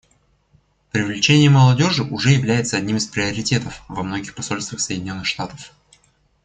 Привлечение молодежи уже является одним из приоритетов во многих посольствах Соединенных Штатов.